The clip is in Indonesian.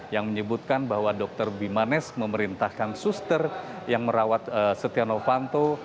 yang menyebutkan bahwa dr bimanes memerintahkan suster yang merawat setia novanto